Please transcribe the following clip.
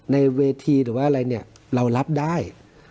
ในเวทีหรือว่าอะไรเนี่ยเรารับได้